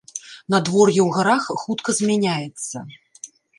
Надвор'е ў гарах хутка змяняецца.